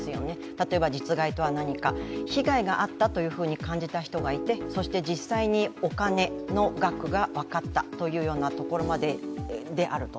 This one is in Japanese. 例えば実害とは何か、被害があったと感じた人がいて、そして実際にお金の額が分かったというようなところまでであると。